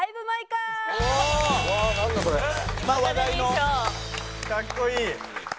かっこいい。